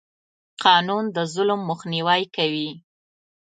قانون د ظلم مخنیوی کوي.